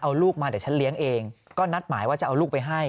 เอาลูกมาเดี๋ยวฉันเลี้ยงเองก็นัดหมายว่าจะเอาลูกไปให้